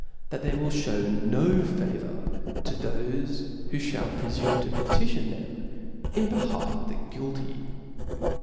thlt they will ftiew no favor to thofe, who (hallf^^ prefume to pcdfion them in behalf of the guilty